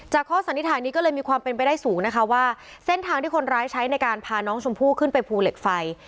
ข้อสันนิษฐานนี้ก็เลยมีความเป็นไปได้สูงนะคะว่าเส้นทางที่คนร้ายใช้ในการพาน้องชมพู่ขึ้นไปภูเหล็กไฟ